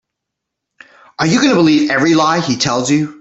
Are you going to believe every lie he tells you?